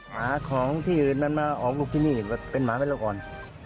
หาของที่อื่นนั้นมาออกไปที่นี่เห็นไหมเป็นหมาแม่เรากร